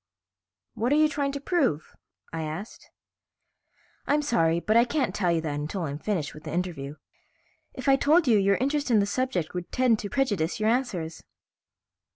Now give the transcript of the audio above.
"What are you trying to prove?" I asked. "I'm sorry, but I can't tell you that until I'm finished with the interview. If I told you, your interest in the subject would tend to prejudice your answers."